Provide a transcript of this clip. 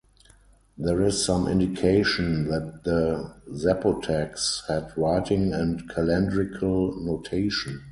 There is some indication that the Zapotecs had writing and calendrical notation.